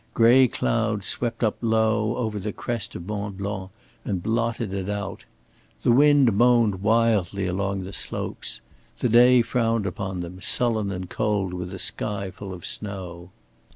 Gray clouds swept up low over the crest of Mont Blanc and blotted it out. The wind moaned wildly along the slopes. The day frowned upon them sullen and cold with a sky full of snow.